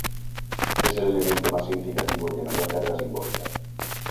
Es el elemento más significativo y de mayor carga simbólica.